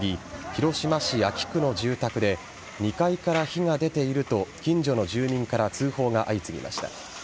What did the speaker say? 広島市安芸区の住宅で２階から火が出ていると近所の住人から通報が相次ぎました。